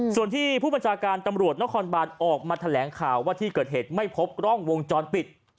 ส่วนที่ผู้บัญชาการตำรวจนครบานออกมาแถลงข่าวว่าที่เกิดเหตุไม่พบกล้องวงจรปิด